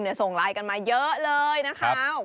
เดี๋ยวส่งไลค์กันมาเยอะเลยนะครับ